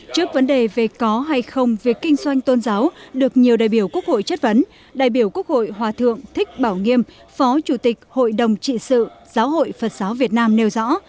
trước vấn đề về có hay không việc kinh doanh tôn giáo được nhiều đại biểu quốc hội chất vấn đại biểu quốc hội hòa thượng thích bảo nghiêm phó chủ tịch hội đồng trị sự giáo hội phật giáo việt nam nêu rõ